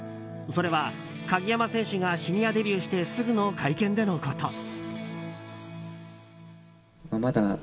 それは鍵山選手がシニアデビューしてすぐの会見でのこと。